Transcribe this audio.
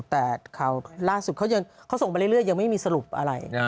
แต่ข่าวล่าสุดเขาส่งไปเรื่อยยังไม่มีสรุปอะไร